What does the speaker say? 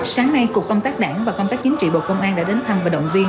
sáng nay cục công tác đảng và công tác chính trị bộ công an đã đến thăm và động viên